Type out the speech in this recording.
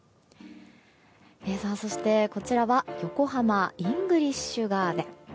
そして、こちらは横浜イングリッシュガーデン。